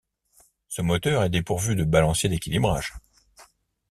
Ce moteur est dépourvu de balancier d'équilibrage.